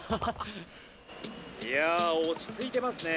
「いや落ち着いてますね。